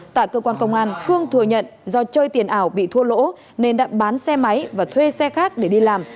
tại cơ quan công an khương thừa nhận do chơi tiền ảo bị thua lỗ nên đã bán xe máy và thuê xe khác để đi làm